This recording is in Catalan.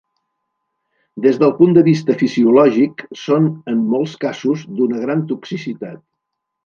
Des del punt de vista fisiològic, són en molts casos d'una gran toxicitat.